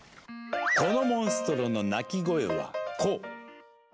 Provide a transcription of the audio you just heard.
このモンストロの鳴き声はこう。